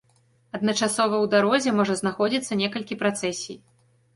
Адначасова ў дарозе можа знаходзіцца некалькі працэсій.